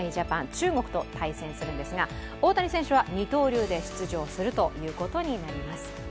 中国と対戦するんですが、大谷選手は二刀流で出場するということになります。